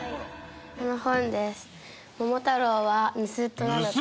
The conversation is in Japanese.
この本です。